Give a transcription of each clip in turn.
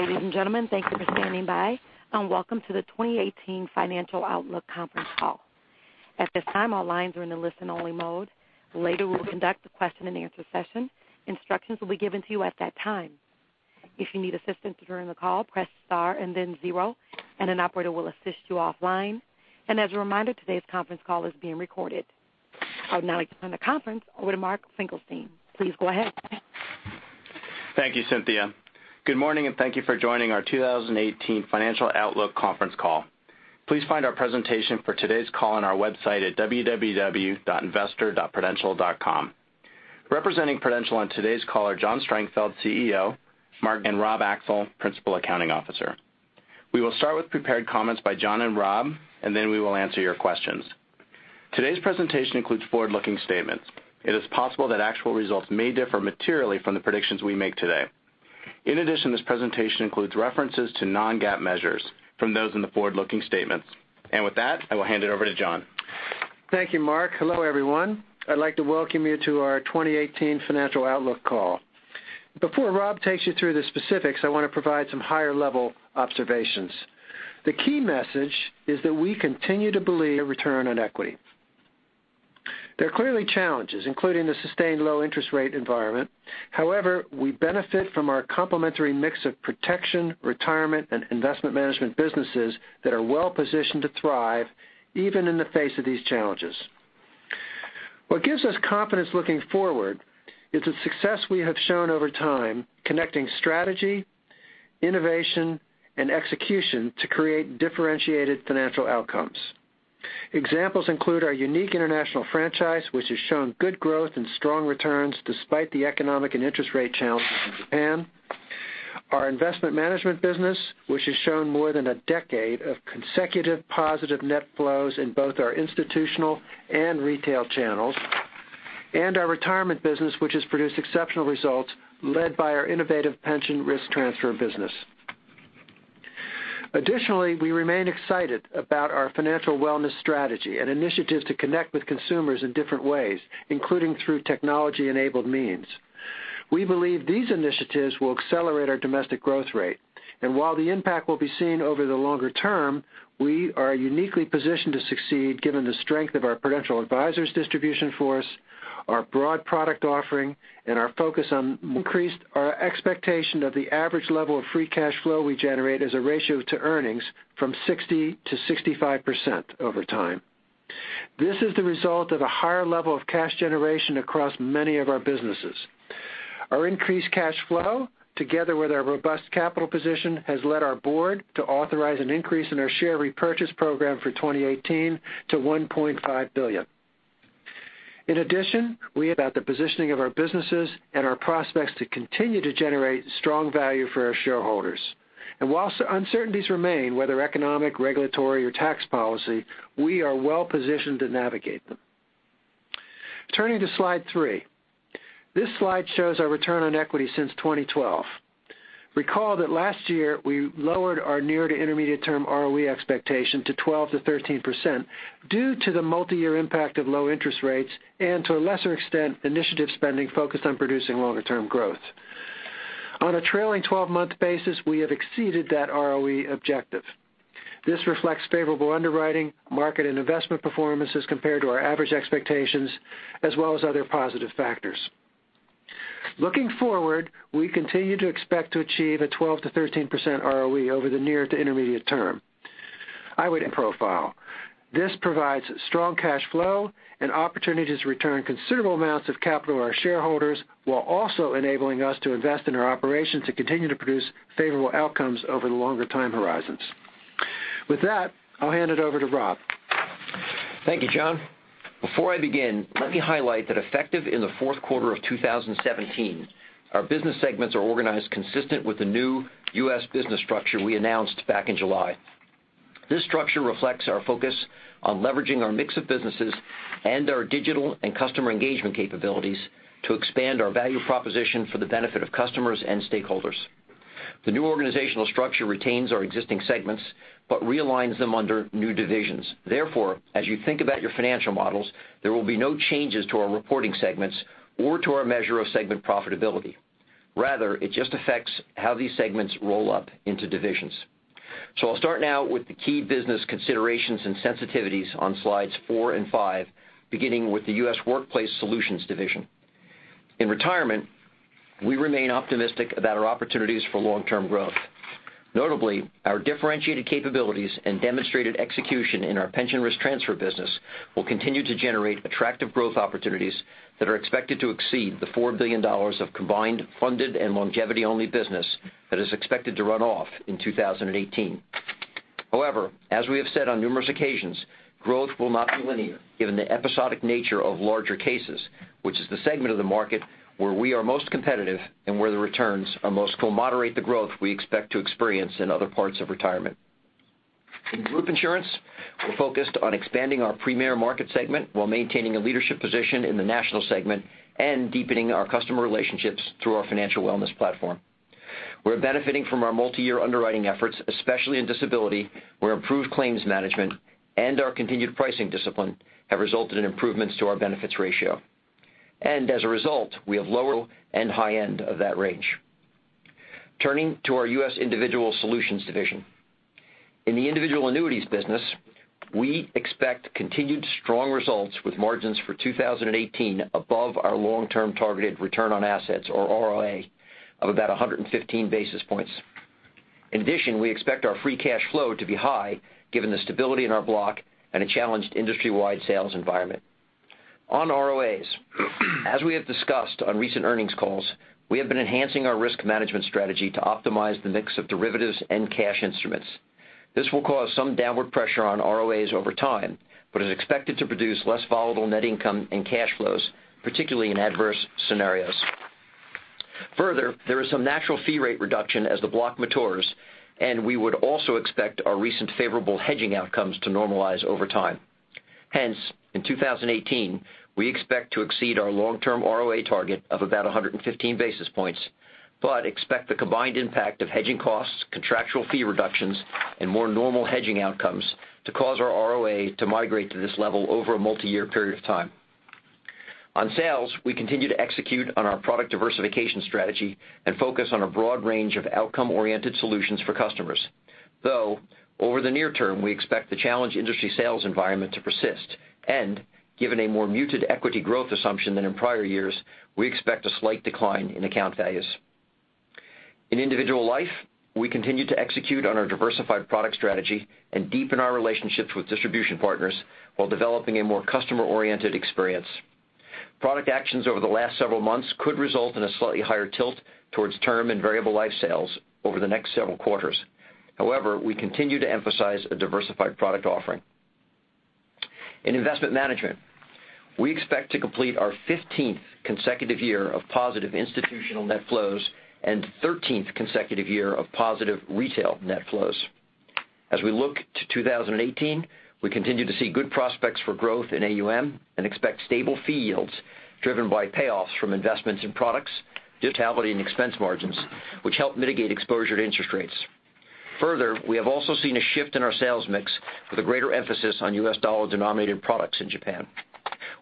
Ladies and gentlemen, thank you for standing by, and welcome to the 2018 Financial Outlook Conference Call. At this time, all lines are in a listen-only mode. Later, we will conduct a question-and-answer session. Instructions will be given to you at that time. If you need assistance during the call, press star and then zero, and an operator will assist you offline. As a reminder, today's conference call is being recorded. I would now like to turn the conference over to Mark Finkelstein. Please go ahead. Thank you, Cynthia. Good morning, and thank you for joining our 2018 Financial Outlook Conference Call. Please find our presentation for today's call on our website at www.investor.prudential.com. Representing Prudential on today's call are John Strangfeld, CEO, Mark and Rob Axel, Principal Accounting Officer. We will start with prepared comments by John and Rob, and then we will answer your questions. Today's presentation includes forward-looking statements. It is possible that actual results may differ materially from the predictions we make today. In addition, this presentation includes references to non-GAAP measures from those in the forward-looking statements. With that, I will hand it over to John. Thank you, Mark. Hello, everyone. I'd like to welcome you to our 2018 financial outlook call. Before Rob takes you through the specifics, I want to provide some higher-level observations. The key message is that we continue to believe return on equity. There are clearly challenges, including the sustained low interest rate environment. However, we benefit from our complementary mix of protection, retirement, and investment management businesses that are well-positioned to thrive even in the face of these challenges. What gives us confidence looking forward is the success we have shown over time connecting strategy, innovation, and execution to create differentiated financial outcomes. Examples include our unique international franchise, which has shown good growth and strong returns despite the economic and interest rate challenges in Japan. Our investment management business, which has shown more than a decade of consecutive positive net flows in both our institutional and retail channels. Our retirement business, which has produced exceptional results led by our innovative pension risk transfer business. Additionally, we remain excited about our financial wellness strategy and initiatives to connect with consumers in different ways, including through technology-enabled means. We believe these initiatives will accelerate our domestic growth rate. While the impact will be seen over the longer term, we are uniquely positioned to succeed given the strength of our Prudential Advisors distribution force, our broad product offering, and our focus on increased our expectation that the average level of free cash flow we generate as a ratio to earnings from 60%-65% over time. This is the result of a higher level of cash generation across many of our businesses. Our increased cash flow, together with our robust capital position, has led our board to authorize an increase in our share repurchase program for 2018 to $1.5 billion. In addition, we have had the positioning of our businesses and our prospects to continue to generate strong value for our shareholders. While uncertainties remain, whether economic, regulatory, or tax policy, we are well-positioned to navigate them. Turning to slide three. This slide shows our return on equity since 2012. Recall that last year, we lowered our near to intermediate-term ROE expectation to 12%-13% due to the multi-year impact of low interest rates and to a lesser extent, initiative spending focused on producing longer-term growth. On a trailing 12-month basis, we have exceeded that ROE objective. This reflects favorable underwriting, market and investment performances compared to our average expectations, as well as other positive factors. Looking forward, we continue to expect to achieve a 12%-13% ROE over the near to intermediate term. This provides strong cash flow and opportunities to return considerable amounts of capital to our shareholders while also enabling us to invest in our operations to continue to produce favorable outcomes over the longer time horizons. With that, I'll hand it over to Rob. Thank you, John. Before I begin, let me highlight that effective in the fourth quarter of 2017, our business segments are organized consistent with the new U.S. business structure we announced back in July. This structure reflects our focus on leveraging our mix of businesses and our digital and customer engagement capabilities to expand our value proposition for the benefit of customers and stakeholders. The new organizational structure retains our existing segments but realigns them under new divisions. Therefore, as you think about your financial models, there will be no changes to our reporting segments or to our measure of segment profitability. Rather, it just affects how these segments roll up into divisions. I'll start now with the key business considerations and sensitivities on slides four and five, beginning with the U.S. Workplace Solutions division. In Retirement, we remain optimistic about our opportunities for long-term growth. Notably, our differentiated capabilities and demonstrated execution in our pension risk transfer business will continue to generate attractive growth opportunities that are expected to exceed the $4 billion of combined, funded and longevity-only business that is expected to run off in 2018. However, as we have said on numerous occasions, growth will not be linear given the episodic nature of larger cases, which is the segment of the market where we are most competitive and where the returns are most co-moderate the growth we expect to experience in other parts of Retirement. In Group Insurance, we're focused on expanding our premier market segment while maintaining a leadership position in the national segment and deepening our customer relationships through our financial wellness platform. We're benefiting from our multi-year underwriting efforts, especially in disability, where improved claims management and our continued pricing discipline have resulted in improvements to our benefits ratio. As a result, we have lower and high end of that range. Turning to our U.S. Individual Solutions division. In the individual annuities business, we expect continued strong results with margins for 2018 above our long-term targeted return on assets, or ROA, of about 115 basis points. In addition, we expect our free cash flow to be high given the stability in our block and a challenged industry-wide sales environment. On ROAs, as we have discussed on recent earnings calls, we have been enhancing our risk management strategy to optimize the mix of derivatives and cash instruments. This will cause some downward pressure on ROAs over time, but is expected to produce less volatile net income and cash flows, particularly in adverse scenarios. Further, there is some natural fee rate reduction as the block matures, and we would also expect our recent favorable hedging outcomes to normalize over time. Hence, in 2018, we expect to exceed our long-term ROA target of about 115 basis points, but expect the combined impact of hedging costs, contractual fee reductions, and more normal hedging outcomes to cause our ROA to migrate to this level over a multi-year period of time. On sales, we continue to execute on our product diversification strategy and focus on a broad range of outcome-oriented solutions for customers. Though, over the near term, we expect the challenged industry sales environment to persist, and given a more muted equity growth assumption than in prior years, we expect a slight decline in account values. In individual life, we continue to execute on our diversified product strategy and deepen our relationships with distribution partners while developing a more customer-oriented experience. Product actions over the last several months could result in a slightly higher tilt towards term and variable life sales over the next several quarters. However, we continue to emphasize a diversified product offering. In investment management, we expect to complete our 15th consecutive year of positive institutional net flows and 13th consecutive year of positive retail net flows. As we look to 2018, we continue to see good prospects for growth in AUM and expect stable fee yields driven by payoffs from investments in products, mortality, and expense margins, which help mitigate exposure to interest rates. Further, we have also seen a shift in our sales mix with a greater emphasis on U.S. dollar-denominated products in Japan.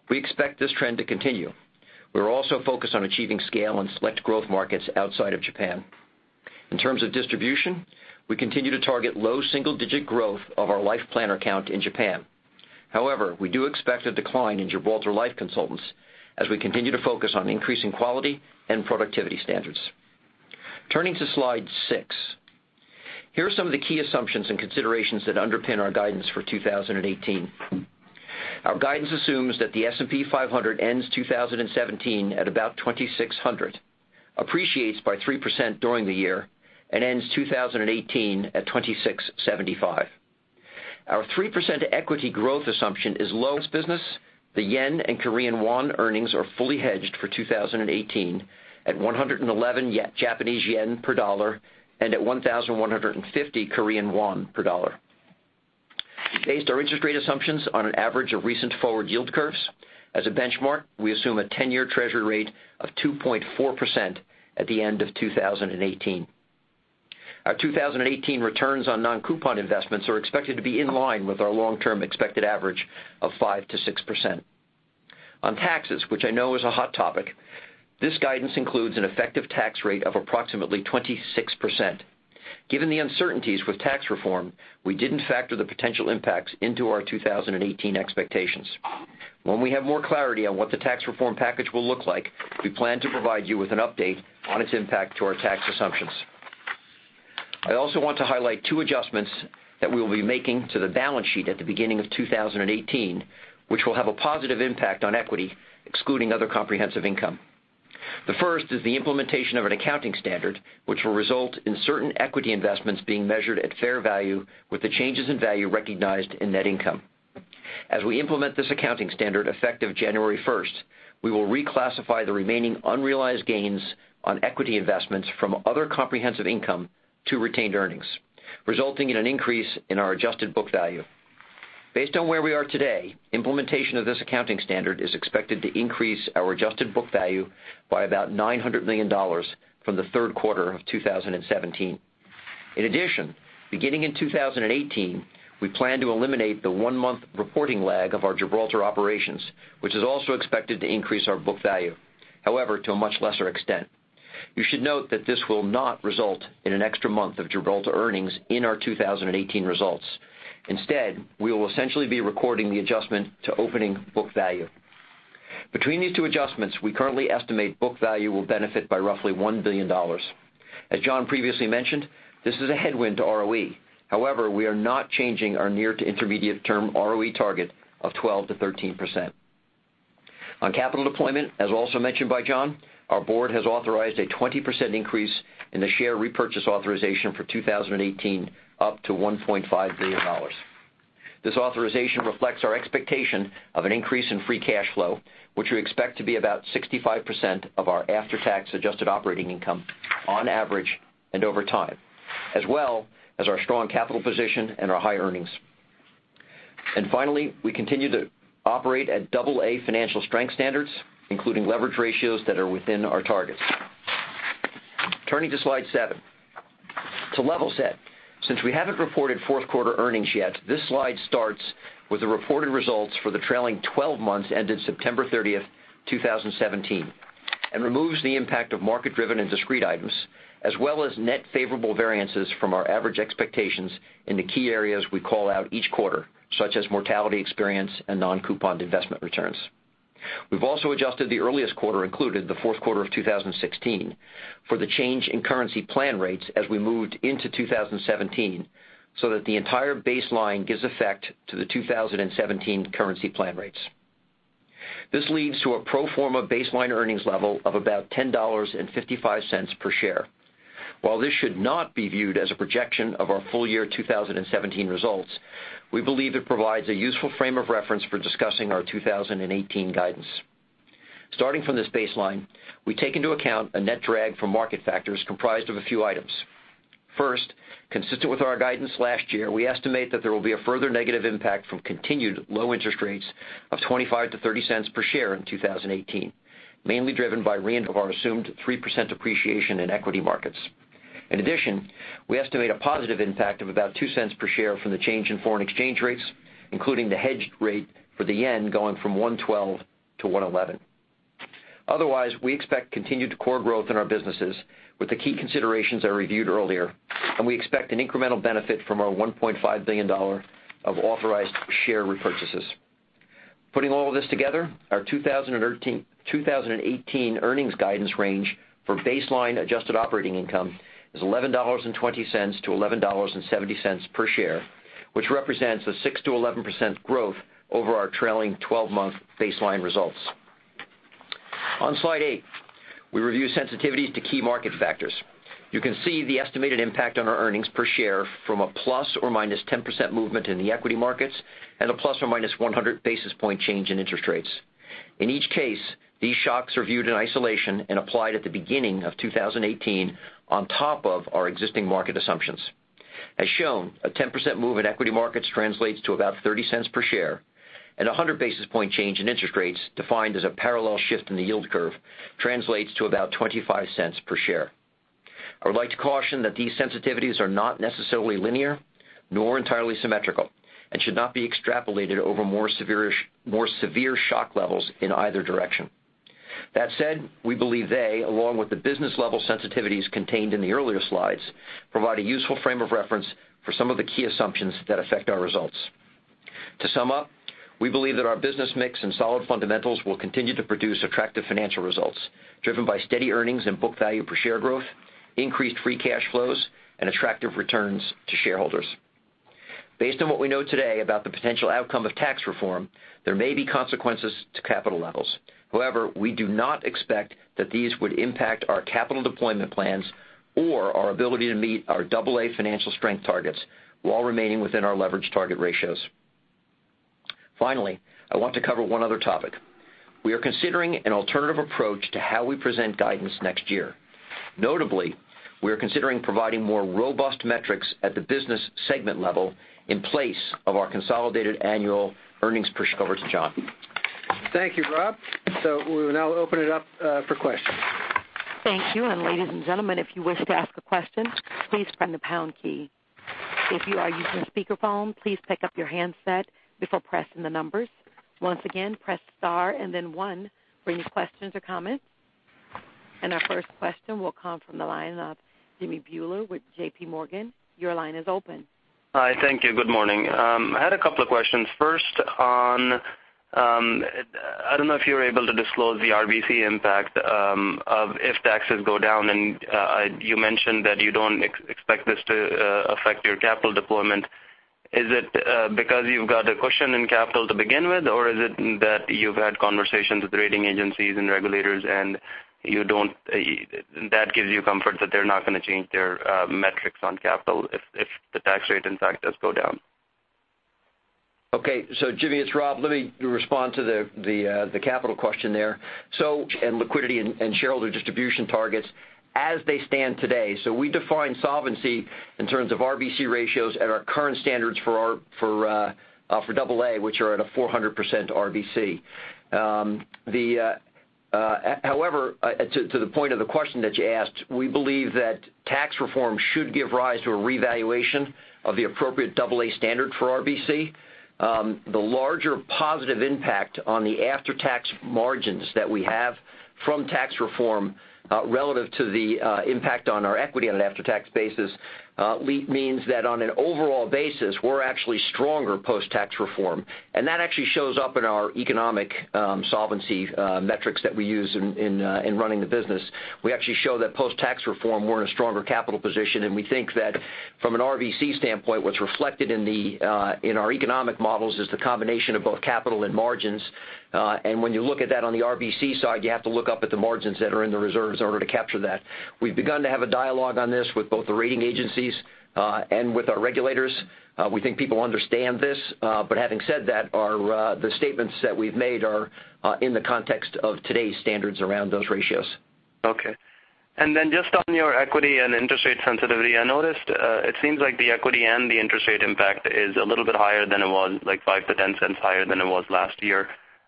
We expect this trend to continue. We're also focused on achieving scale in select growth markets outside of Japan. In terms of distribution, we continue to target low single-digit growth of our Life Planner count in Japan. However, we do expect a decline in Gibraltar Life consultants as we continue to focus on increasing quality and productivity standards. Turning to slide six. Here are some of the key assumptions and considerations that underpin our guidance for 2018. Our guidance assumes that the S&P 500 ends 2017 at about 2,600, appreciates by 3% during the year, and ends 2018 at 2,675. Our 3% equity growth assumption is low. In the insurance business, the yen and Korean won earnings are fully hedged for 2018 at 111 Japanese yen per dollar and at 1,150 Korean won per dollar. We based our interest rate assumptions on an average of recent forward yield curves. As a benchmark, we assume a 10-year Treasury rate of 2.4% at the end of 2018. Our 2018 returns on non-coupon investments are expected to be in line with our long-term expected average of 5%-6%. On taxes, which I know is a hot topic, this guidance includes an effective tax rate of approximately 26%. Given the uncertainties with tax reform, we didn't factor the potential impacts into our 2018 expectations. When we have more clarity on what the tax reform package will look like, we plan to provide you with an update on its impact to our tax assumptions. I also want to highlight two adjustments that we will be making to the balance sheet at the beginning of 2018, which will have a positive impact on equity, excluding other comprehensive income. The first is the implementation of an accounting standard which will result in certain equity investments being measured at fair value with the changes in value recognized in net income. As we implement this accounting standard effective January 1st, we will reclassify the remaining unrealized gains on equity investments from other comprehensive income to retained earnings, resulting in an increase in our adjusted book value. Based on where we are today, implementation of this accounting standard is expected to increase our adjusted book value by about $900 million from the third quarter of 2017. In addition, beginning in 2018, we plan to eliminate the one-month reporting lag of our Gibraltar operations, which is also expected to increase our book value. However, to a much lesser extent. You should note that this will not result in an extra month of Gibraltar earnings in our 2018 results. Instead, we will essentially be recording the adjustment to opening book value. Between these two adjustments, we currently estimate book value will benefit by roughly $1 billion. As John previously mentioned, this is a headwind to ROE. However, we are not changing our near to intermediate-term ROE target of 12%-13%. On capital deployment, as also mentioned by John, our board has authorized a 20% increase in the share repurchase authorization for 2018 up to $1.5 billion. This authorization reflects our expectation of an increase in free cash flow, which we expect to be about 65% of our after-tax adjusted operating income on average and over time, as well as our strong capital position and our high earnings. Finally, we continue to operate at AA financial strength standards, including leverage ratios that are within our targets. Turning to slide seven. To level set, since we haven't reported fourth quarter earnings yet, this slide starts with the reported results for the trailing 12 months ended September 30, 2017, and removes the impact of market-driven and discrete items, as well as net favorable variances from our average expectations in the key areas we call out each quarter, such as mortality experience and non-couponed investment returns. We've also adjusted the earliest quarter included, the fourth quarter of 2016, for the change in currency plan rates as we moved into 2017, so that the entire baseline gives effect to the 2017 currency plan rates. This leads to a pro forma baseline earnings level of about $10.55 per share. While this should not be viewed as a projection of our full year 2017 results, we believe it provides a useful frame of reference for discussing our 2018 guidance. Starting from this baseline, we take into account a net drag from market factors comprised of a few items. First, consistent with our guidance last year, we estimate that there will be a further negative impact from continued low interest rates of $0.25-$0.30 per share in 2018, mainly driven by re of our assumed 3% appreciation in equity markets. In addition, we estimate a positive impact of about $0.02 per share from the change in foreign exchange rates, including the hedged rate for the yen going from 112-111. Otherwise, we expect continued core growth in our businesses with the key considerations I reviewed earlier, and we expect an incremental benefit from our $1.5 billion of authorized share repurchases. Putting all of this together, our 2018 earnings guidance range for baseline adjusted operating income is $11.20-$11.70 per share, which represents a 6%-11% growth over our trailing 12-month baseline results. On slide eight, we review sensitivity to key market factors. You can see the estimated impact on our earnings per share from a ±10% movement in the equity markets, and a ±100 basis point change in interest rates. In each case, these shocks are viewed in isolation and applied at the beginning of 2018 on top of our existing market assumptions. As shown, a 10% move in equity markets translates to about $0.30 per share, and 100 basis point change in interest rates, defined as a parallel shift in the yield curve, translates to about $0.25 per share. I would like to caution that these sensitivities are not necessarily linear, nor entirely symmetrical, and should not be extrapolated over more severe shock levels in either direction. That said, we believe they, along with the business-level sensitivities contained in the earlier slides, provide a useful frame of reference for some of the key assumptions that affect our results. To sum up, we believe that our business mix and solid fundamentals will continue to produce attractive financial results, driven by steady earnings and book value per share growth, increased free cash flows, and attractive returns to shareholders. Based on what we know today about the potential outcome of tax reform, there may be consequences to capital levels. However, we do not expect that these would impact our capital deployment plans or our ability to meet our AA financial strength targets while remaining within our leverage target ratios. Finally, I want to cover one other topic. We are considering an alternative approach to how we present guidance next year. Notably, we are considering providing more robust metrics at the business segment level in place of our consolidated annual earnings per over to John. Thank you, Rob. We will now open it up for questions. Thank you. Ladies and gentlemen, if you wish to ask a question, please press the pound key. If you are using a speakerphone, please pick up your handset before pressing the numbers. Once again, press star and then one for any questions or comments. Our first question will come from the line of Jimmy Bhullar with J.P. Morgan. Your line is open. Hi. Thank you. Good morning. I had a couple of questions. First on, I don't know if you're able to disclose the RBC impact of if taxes go down, and you mentioned that you don't expect this to affect your capital deployment. Is it because you've got a cushion in capital to begin with, or is it that you've had conversations with rating agencies and regulators, and that gives you comfort that they're not going to change their metrics on capital if the tax rate, in fact, does go down? Okay. Jimmy, it's Robert Axel. Let me respond to the capital question there. Liquidity and shareholder distribution targets as they stand today. We define solvency in terms of RBC ratios at our current standards for AA, which are at a 400% RBC. However, to the point of the question that you asked, we believe that tax reform should give rise to a revaluation of the appropriate AA standard for RBC. The larger positive impact on the after-tax margins that we have from tax reform, relative to the impact on our equity on an after-tax basis, means that on an overall basis, we're actually stronger post-tax reform. And that actually shows up in our economic solvency metrics that we use in running the business. We actually show that post-tax reform, we're in a stronger capital position, and we think that from an RBC standpoint, what's reflected in our economic models is the combination of both capital and margins. When you look at that on the RBC side, you have to look up at the margins that are in the reserves in order to capture that. We've begun to have a dialogue on this with both the rating agencies, and with our regulators. We think people understand this, but having said that, the statements that we've made are in the context of today's standards around those ratios. Okay. Just on your equity and interest rate sensitivity, I noticed it seems like the equity and the interest rate impact is a little bit higher than it was, like 5% to $0.10 higher than it was last year.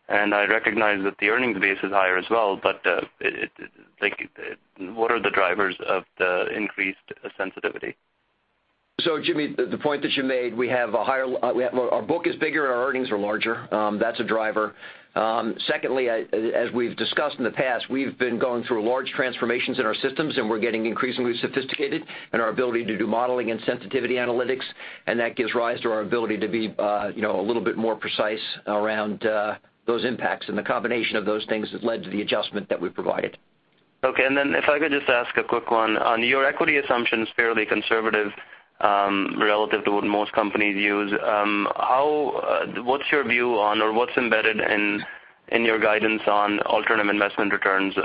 I recognize that the earnings base is higher as well, but what are the drivers of the increased sensitivity? Jimmy, the point that you made, our book is bigger, our earnings are larger. That's a driver. Secondly, as we've discussed in the past, we've been going through large transformations in our systems, and we're getting increasingly sophisticated in our ability to do modeling and sensitivity analytics, and that gives rise to our ability to be a little bit more precise around those impacts. The combination of those things has led to the adjustment that we provided. Okay. If I could just ask a quick one. On your equity assumptions fairly conservative, relative to what most companies use. What's your view on or what's embedded in your guidance on alternative investment returns,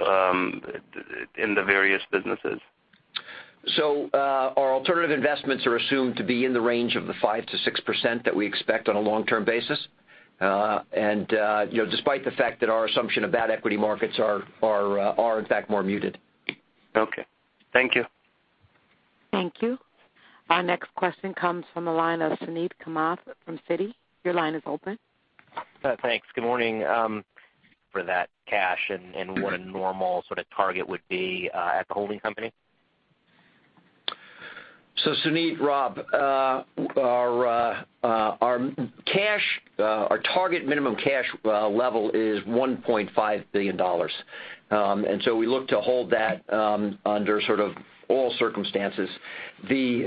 in the various businesses? Our alternative investments are assumed to be in the range of the 5%-6% that we expect on a long-term basis. Despite the fact that our assumption of bad equity markets are in fact more muted. Okay. Thank you. Thank you. Our next question comes from the line of Suneet Kamath from Citi. Your line is open. Thanks. Good morning. For that cash and what a normal sort of target would be at the holding company. Suneet, Rob, our target minimum cash level is $1.5 billion. We look to hold that under sort of all circumstances. We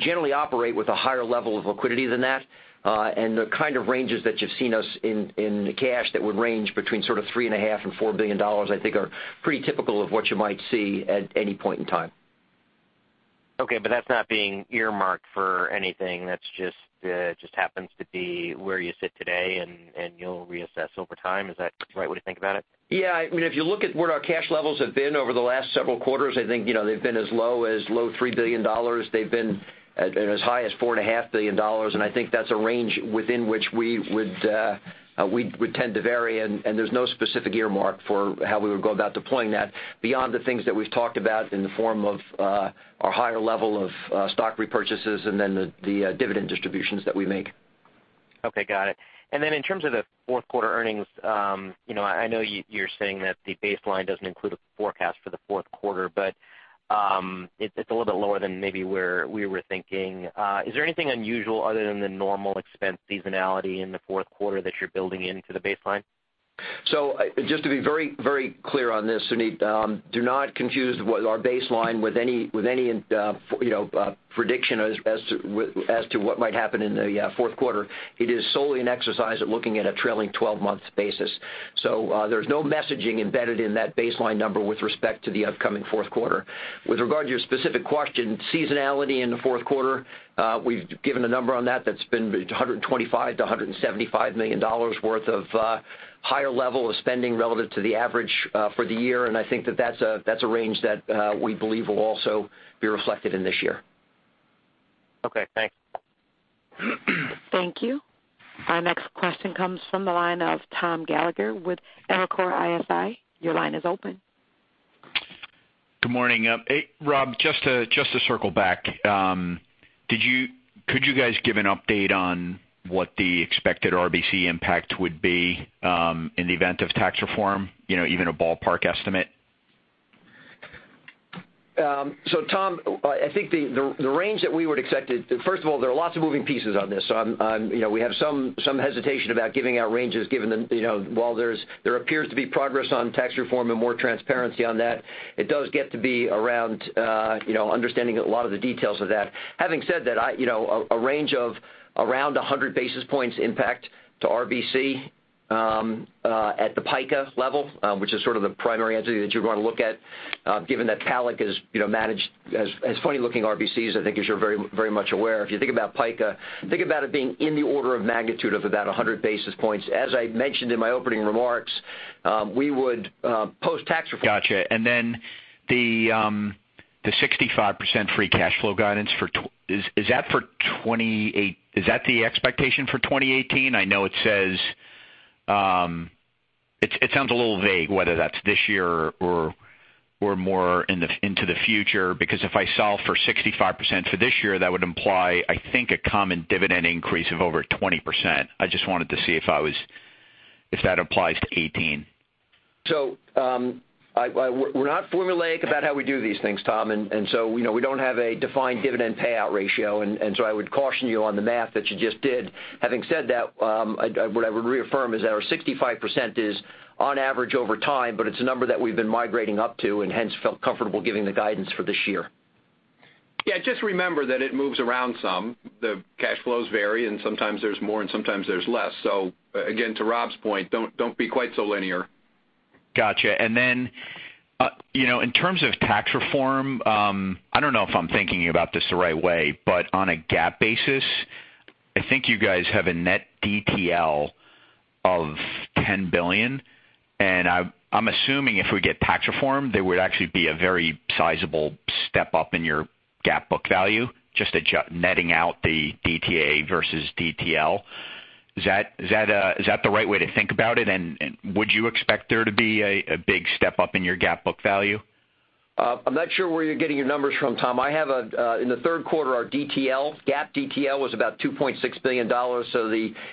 generally operate with a higher level of liquidity than that. The kind of ranges that you've seen us in cash that would range between sort of $three and a half billion and $4 billion, I think are pretty typical of what you might see at any point in time. Okay, that's not being earmarked for anything. That's just happens to be where you sit today, and you'll reassess over time. Is that the right way to think about it? Yeah. If you look at where our cash levels have been over the last several quarters, I think, they've been as low as low $3 billion. They've been as high as $4.5 billion, I think that's a range within which we would tend to vary, there's no specific earmark for how we would go about deploying that beyond the things that we've talked about in the form of our higher level of stock repurchases and then the dividend distributions that we make. Okay, got it. In terms of the fourth quarter earnings, I know you're saying that the baseline doesn't include a forecast for the fourth quarter, but it's a little bit lower than maybe where we were thinking. Is there anything unusual other than the normal expense seasonality in the fourth quarter that you're building into the baseline? Just to be very clear on this, Suneet, do not confuse what our baseline with any prediction as to what might happen in the fourth quarter. It is solely an exercise at looking at a trailing 12 months basis. There's no messaging embedded in that baseline number with respect to the upcoming fourth quarter. With regard to your specific question, seasonality in the fourth quarter, we've given a number on that that's been $125 million-$175 million worth of higher level of spending relative to the average for the year, and I think that that's a range that we believe will also be reflected in this year. Okay, thanks. Thank you. Our next question comes from the line of Thomas Gallagher with Evercore ISI. Your line is open. Good morning. Rob, just to circle back, could you guys give an update on what the expected RBC impact would be, in the event of tax reform? Even a ballpark estimate. Tom, I think the range that we would, first of all, there are lots of moving pieces on this. We have some hesitation about giving out ranges given while there appears to be progress on tax reform and more transparency on that, it does get to be around understanding a lot of the details of that. Having said that, a range of around 100 basis points impact to RBC, at the PICA level, which is sort of the primary entity that you're going to look at, given that CALOC is managed as funny looking RBCs, I think, as you're very much aware. If you think about PICA, think about it being in the order of magnitude of about 100 basis points. As I mentioned in my opening remarks, we would post tax reform. Then the 65% free cash flow guidance, is that the expectation for 2018? I know it sounds a little vague whether that's this year or more into the future. Because if I solve for 65% for this year, that would imply, I think, a common dividend increase of over 20%. I just wanted to see if that applies to 2018. We're not formulaic about how we do these things, Tom, we don't have a defined dividend payout ratio, I would caution you on the math that you just did. Having said that, what I would reaffirm is that our 65% is on average over time, but it's a number that we've been migrating up to and hence felt comfortable giving the guidance for this year. Yeah, just remember that it moves around some. The cash flows vary, and sometimes there's more and sometimes there's less. Again, to Rob's point, don't be quite so linear. Got you. In terms of tax reform, I don't know if I'm thinking about this the right way, but on a GAAP basis, I think you guys have a net DTL of $10 billion, and I'm assuming if we get tax reform, there would actually be a very sizable step up in your GAAP book value, just netting out the DTA versus DTL. Is that the right way to think about it? Would you expect there to be a big step up in your GAAP book value? I'm not sure where you're getting your numbers from, Tom. I have, in the third quarter, our GAAP DTL was about $2.6 billion.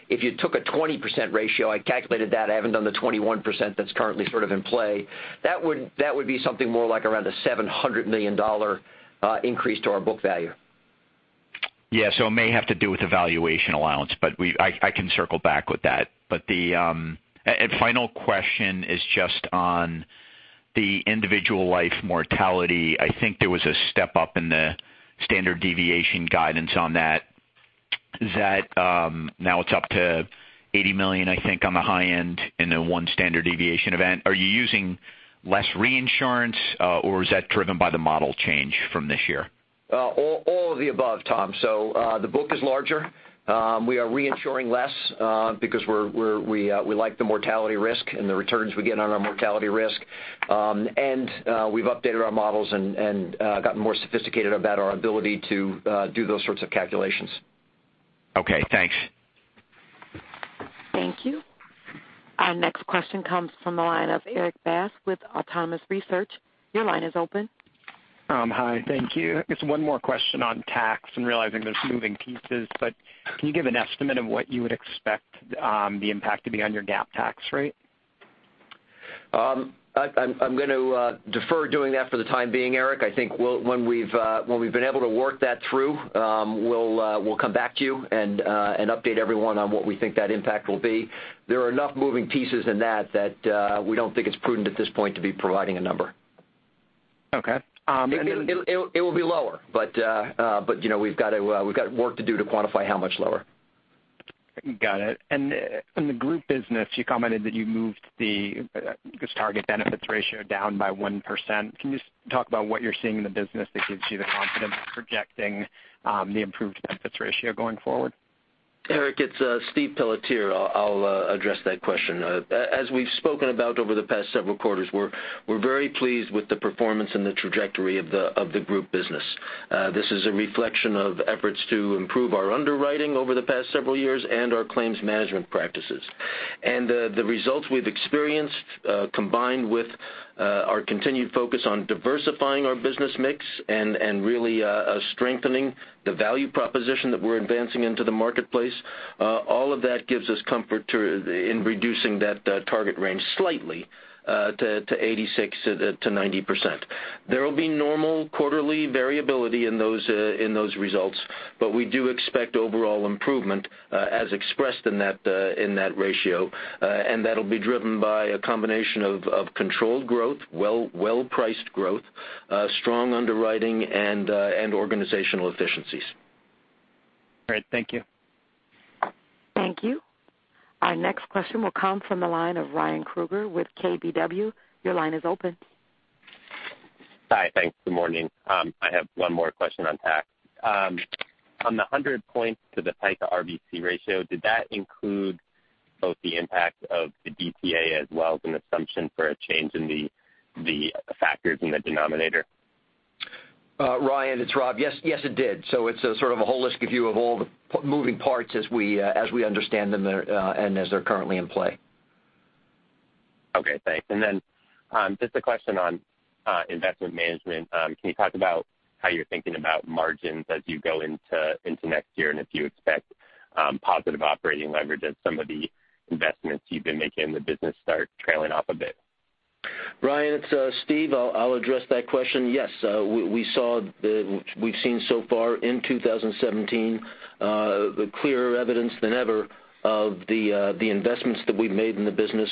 If you took a 20% ratio, I calculated that, I haven't done the 21% that's currently sort of in play. That would be something more like around a $700 million increase to our book value. Yeah. It may have to do with the valuation allowance, but I can circle back with that. The final question is just on the individual life mortality. I think there was a step up in the standard deviation guidance on that. Now it's up to $80 million, I think, on the high end in a one standard deviation event. Are you using less reinsurance, or is that driven by the model change from this year? All of the above, Tom. The book is larger. We are reinsuring less because we like the mortality risk and the returns we get on our mortality risk. We've updated our models and gotten more sophisticated about our ability to do those sorts of calculations. Okay, thanks. Thank you. Our next question comes from the line of Erik Bass with Autonomous Research. Your line is open. Hi, thank you. Just one more question on tax and realizing there's moving pieces, can you give an estimate of what you would expect the impact to be on your GAAP tax rate? I'm going to defer doing that for the time being, Erik. I think when we've been able to work that through, we'll come back to you and update everyone on what we think that impact will be. There are enough moving pieces in that that we don't think it's prudent at this point to be providing a number. Okay. It will be lower, we've got work to do to quantify how much lower. Got it. In the group business, you commented that you moved this target benefits ratio down by 1%. Can you just talk about what you're seeing in the business that gives you the confidence projecting the improved benefits ratio going forward? Erik, it's Stephen Pelletier. I'll address that question. As we've spoken about over the past several quarters, we're very pleased with the performance and the trajectory of the group business. This is a reflection of efforts to improve our underwriting over the past several years and our claims management practices. The results we've experienced, combined with our continued focus on diversifying our business mix and really strengthening the value proposition that we're advancing into the marketplace, all of that gives us comfort in reducing that target range slightly to 86%-90%. There will be normal quarterly variability in those results, but we do expect overall improvement as expressed in that ratio. That'll be driven by a combination of controlled growth, well-priced growth, strong underwriting, and organizational efficiencies. Great. Thank you. Thank you. Our next question will come from the line of Ryan Krueger with KBW. Your line is open. Hi. Thanks. Good morning. I have one more question on tax. On the 100 points to the PICA RBC ratio, did that include both the impact of the DTA as well as an assumption for a change in the factors in the denominator? Ryan, it's Rob. Yes, it did. It's a sort of a holistic view of all the moving parts as we understand them there, and as they're currently in play. Okay, thanks. Then just a question on investment management. Can you talk about how you're thinking about margins as you go into next year, and if you expect positive operating leverage as some of the investments you've been making in the business start trailing off a bit? Ryan, it's Steve. I'll address that question. Yes. We've seen so far in 2017 clearer evidence than ever of the investments that we've made in the business,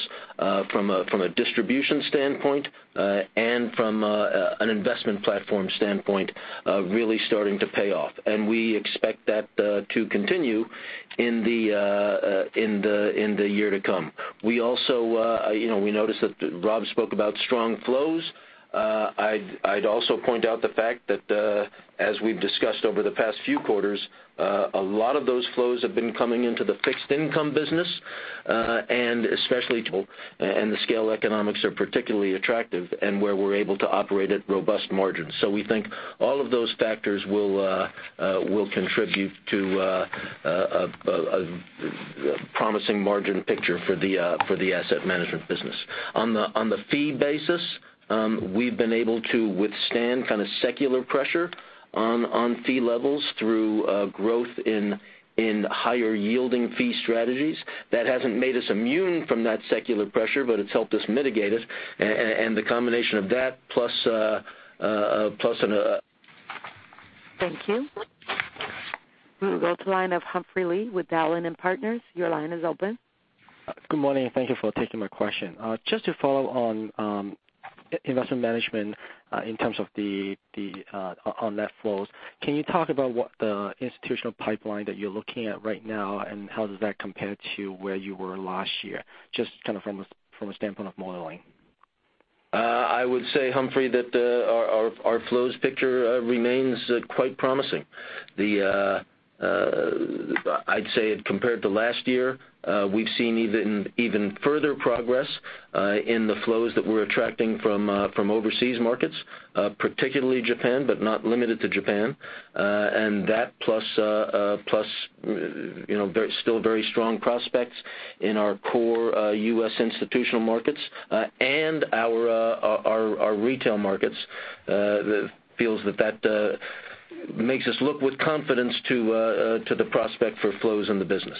from a distribution standpoint and from an investment platform standpoint, really starting to pay off. We expect that to continue in the year to come. We notice that Rob spoke about strong flows. I'd also point out the fact that, as we've discussed over the past few quarters, a lot of those flows have been coming into the fixed income business, and especially, the scale economics are particularly attractive and where we're able to operate at robust margins. We think all of those factors will contribute to a promising margin picture for the asset management business. On the fee basis, we've been able to withstand kind of secular pressure on fee levels through growth in higher yielding fee strategies. That hasn't made us immune from that secular pressure, but it's helped us mitigate it. The combination of that plus- Thank you. We'll go to the line of Humphrey Lee with Dowling & Partners. Your line is open. Good morning, and thank you for taking my question. Just to follow on investment management in terms of on net flows, can you talk about what the institutional pipeline that you're looking at right now, and how does that compare to where you were last year, just kind of from a standpoint of modeling? I would say, Humphrey, that our flows picture remains quite promising. I'd say compared to last year, we've seen even further progress in the flows that we're attracting from overseas markets, particularly Japan, but not limited to Japan. That plus still very strong prospects in our core, U.S. institutional markets and our retail markets feels that makes us look with confidence to the prospect for flows in the business.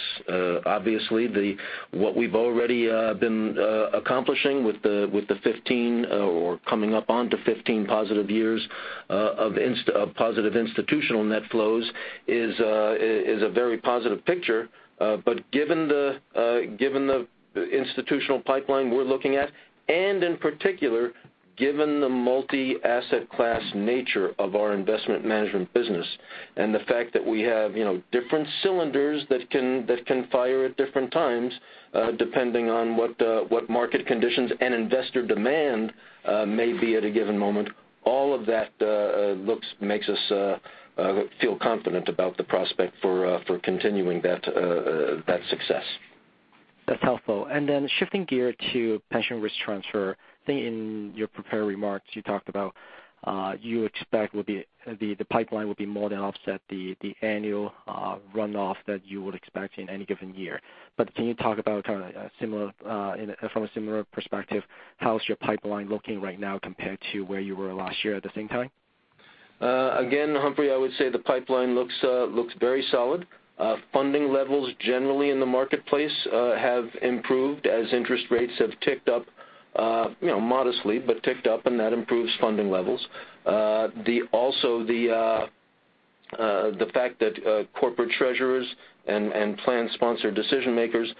Obviously, what we've already been accomplishing with the 15, or coming up on 15 positive years of positive institutional net flows is a very positive picture. Given the institutional pipeline we're looking at, and in particular, given the multi-asset class nature of our investment management business and the fact that we have different cylinders that can fire at different times, depending on what market conditions and investor demand may be at a given moment, all of that makes us feel confident about the prospect for continuing that success. That's helpful. Then shifting gear to pension risk transfer. I think in your prepared remarks, you talked about you expect the pipeline will more than offset the annual runoff that you would expect in any given year. Can you talk about from a similar perspective, how is your pipeline looking right now compared to where you were last year at the same time? Again, Humphrey, I would say the pipeline looks very solid. Funding levels generally in the marketplace have improved as interest rates have ticked up modestly, but ticked up, and that improves funding levels. Also, the fact that corporate treasurers and plan sponsor decision-makers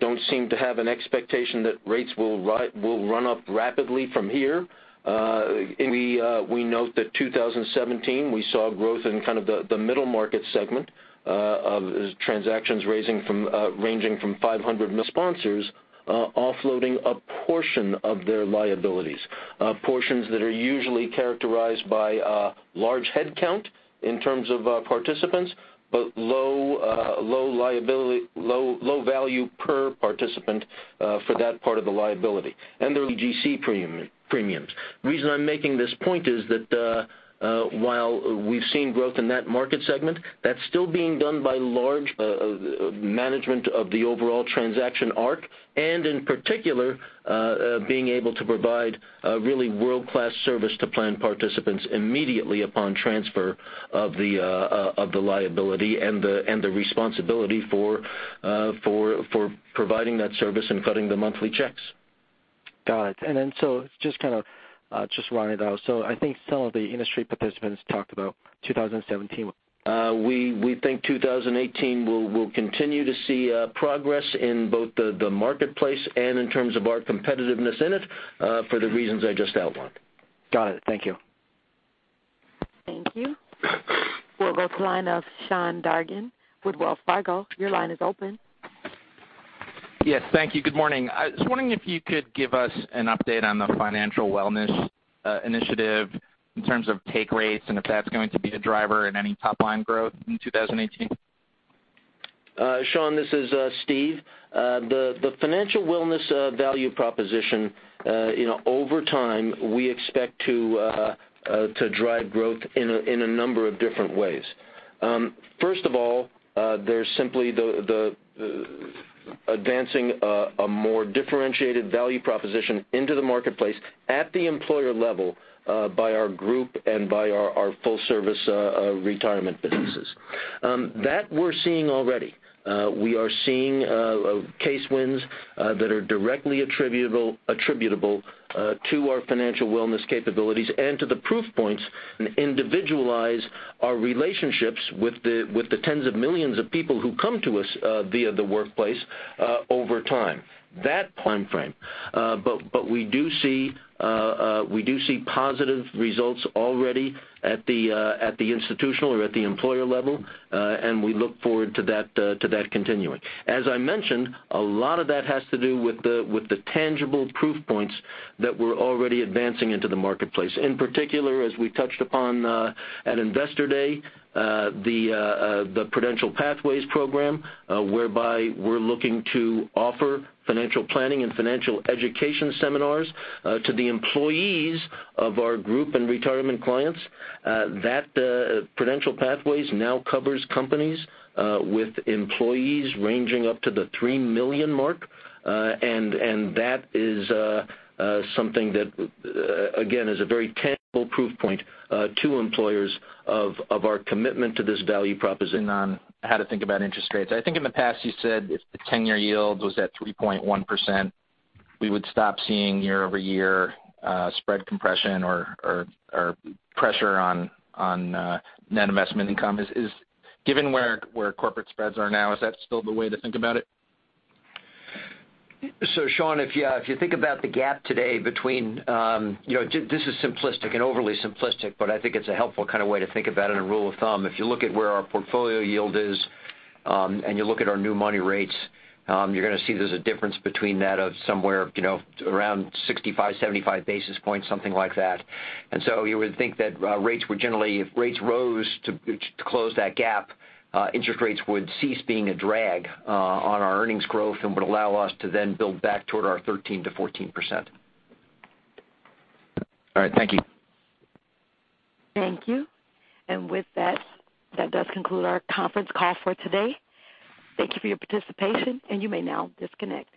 don't seem to have an expectation that rates will run up rapidly from here. We note that 2017, we saw growth in the middle market segment of transactions ranging from 500 sponsors offloading a portion of their liabilities. Portions that are usually characterized by a large headcount in terms of participants, but low value per participant for that part of the liability and their PRT premiums. The reason I'm making this point is that while we've seen growth in that market segment, that's still being done by large management of the overall transaction arc, and in particular, being able to provide really world-class service to plan participants immediately upon transfer of the liability and the responsibility for providing that service and cutting the monthly checks. Got it. Just to kind of just round it out. I think some of the industry participants talked about 2017. We think 2018 will continue to see progress in both the marketplace and in terms of our competitiveness in it, for the reasons I just outlined. Got it. Thank you. Thank you. We'll go to the line of Sean Dargan, Wells Fargo. Your line is open. Yes, thank you. Good morning. I was wondering if you could give us an update on the financial wellness initiative in terms of take rates and if that's going to be a driver in any top-line growth in 2018. Sean, this is Steve. The financial wellness value proposition, over time, we expect to drive growth in a number of different ways. First of all, there's simply advancing a more differentiated value proposition into the marketplace at the employer level by our group and by our full-service retirement businesses. That we're seeing already. We are seeing case wins that are directly attributable to our financial wellness capabilities and to the proof points individualize our relationships with the tens of millions of people who come to us via the workplace over time. That timeframe. We do see positive results already at the institutional or at the employer level. We look forward to that continuing. As I mentioned, a lot of that has to do with the tangible proof points that we're already advancing into the marketplace. In particular, as we touched upon at Investor Day, the Prudential Pathways program, whereby we're looking to offer financial planning and financial education seminars to the employees of our group and retirement clients. That Prudential Pathways now covers companies with employees ranging up to the 3 million mark. That is something that, again, is a very tangible proof point to employers of our commitment to this value proposition. On how to think about interest rates. I think in the past you said if the 10-year yield was at 3.1%, we would stop seeing year-over-year spread compression or pressure on net investment income. Given where corporate spreads are now, is that still the way to think about it? Sean, if you think about the gap today between. This is simplistic and overly simplistic, but I think it's a helpful way to think about it in a rule of thumb. If you look at where our portfolio yield is, and you look at our new money rates, you're going to see there's a difference between that of somewhere around 65-75 basis points, something like that. You would think that if rates rose to close that gap, interest rates would cease being a drag on our earnings growth and would allow us to then build back toward our 13%-14%. All right. Thank you. Thank you. With that does conclude our conference call for today. Thank you for your participation, and you may now disconnect.